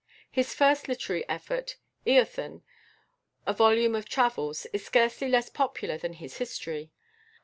His first literary effort, "Eothen," a volume of travels, is scarcely less popular than his history.